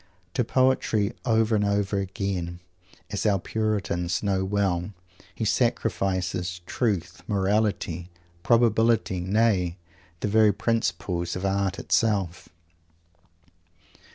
To poetry, over and over again, as our Puritans know well, he sacrifices Truth, Morality, Probability, nay! the very principles of Art itself.